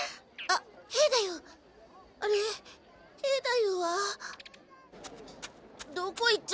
あっ！